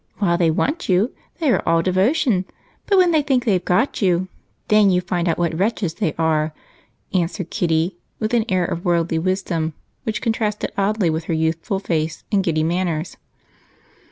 While they want you they are all devotion, but when they think they've got you, then you find out what wretches they are," answered Kitty with an air of worldly wisdom which contrasted oddly with her youthful face and giddy manners.